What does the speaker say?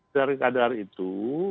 sejauh keadaan itu